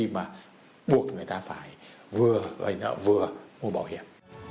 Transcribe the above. và buộc người ta phải vừa vay nợ vừa mua bảo hiểm